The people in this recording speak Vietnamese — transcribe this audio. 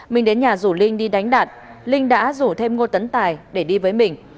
minh đến nhà rủ linh đi đánh đạt linh đã rủ thêm ngô tấn tải để đi với mình